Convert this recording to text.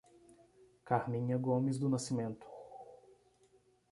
Carminha Gomes do Nascimento